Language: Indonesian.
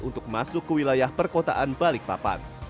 untuk masuk ke wilayah perkotaan balikpapan